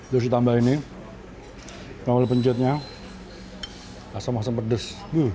dari si tambah ini kalau dipencetnya rasa rasa pedes